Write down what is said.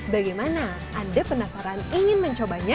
bagaimana anda penasaran ingin mencobanya